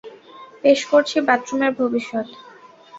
পেশ করছি বাথরুমের ভবিষ্যৎ।